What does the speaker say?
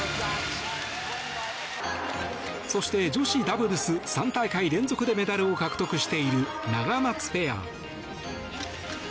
そして女子ダブルス３大会連続でメダルを獲得しているナガマツペア。